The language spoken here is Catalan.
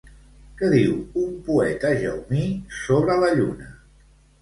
Què diu un poeta jaumí sobre la lluna?